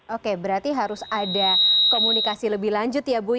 oke berarti harus ada komunikasi lebih lanjut ya bu